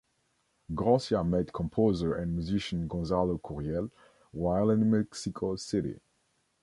Garcia met composer and musician Gonzalo Curiel while in Mexico City.